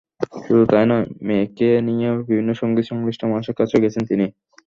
শুধু তাই নয়, মেয়েকে নিয়ে বিভিন্ন সংগীত সংশ্লিষ্ট মানুষের কাছেও গেছেন তিনি।